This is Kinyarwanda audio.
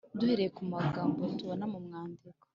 Duhereye ku magambo tubona mu mwandiko